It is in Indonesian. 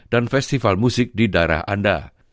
dan festival musik di daerah anda